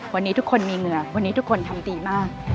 วันนี้ทุกคนมีเหงื่อวันนี้ทุกคนทำดีมาก